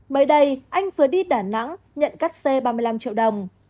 mới đây anh vừa đi đà nẵng nhận cắt xe ba mươi năm triệu đồng